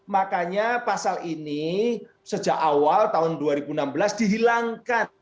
makanya pasal ini sejak awal tahun dua ribu enam belas dihilangkan